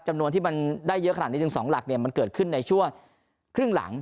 จำนวนที่มันได้เยอะขนาดนี้ถึง๒หลักเนี่ยมันเกิดขึ้นในช่วงครึ่งหลัง